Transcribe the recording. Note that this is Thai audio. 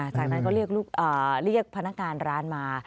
จากนั้นก็เรียกพนักงานร้านมา